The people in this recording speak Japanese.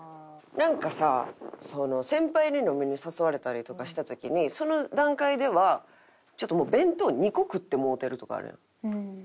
なんかさ先輩に飲みに誘われたりとかした時にその段階ではちょっともう弁当２個食ってもうてるとかあるやん。